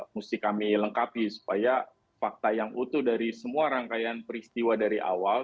mesti kami lengkapi supaya fakta yang utuh dari semua rangkaian peristiwa dari awal